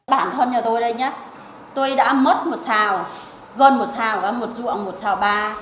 bản thân nhà tôi đây nhé tôi đã mất một xào gần một xào một ruộng một xào ba